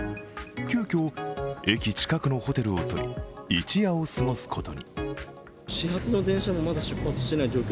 急きょ、駅近くのホテルを取り、一夜を過ごすことに。